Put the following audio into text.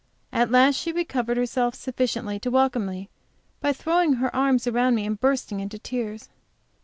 At last she recovered herself sufficiently to welcome me, by throwing her arms around me and bursting into tears.